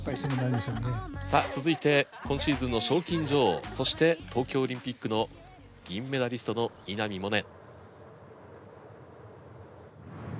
さあ続いて今シーズンの賞金女王そして東京オリンピックの銀メダリストの稲見萌寧。